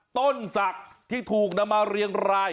ต้นศักดิ์ที่ถูกนำมาเรียงราย